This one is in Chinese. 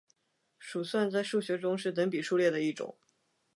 鼠算在数学中是等比数列的一种。